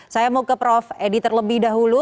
saya mau ke prof edi terlebih dahulu